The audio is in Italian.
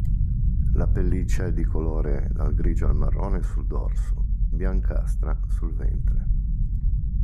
La pelliccia è di colore dal grigio al marrone sul dorso, biancastra sul ventre.